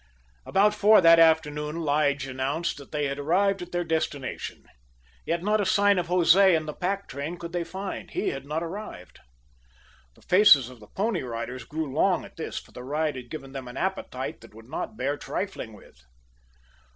About four o'clock that afternoon Lige announced that they had arrived at their destination. Yet not a sign of Jose and the pack train could they find. He had not arrived. The faces of the Pony Riders grew long at this, for the ride had given them an appetite that would not bear trifling with.